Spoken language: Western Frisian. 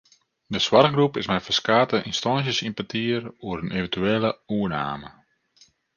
De soarchgroep is mei ferskate ynstânsjes yn petear oer in eventuele oername.